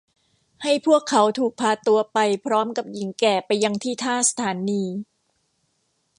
ให้พวกเขาถูกพาตัวไปพร้อมกับหญิงแก่ไปยังที่ท่าสถานี